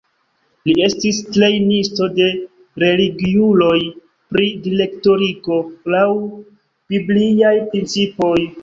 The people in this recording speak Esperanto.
Li estis trejnisto de religiuloj pri direktoriko laŭ bibliaj principoj.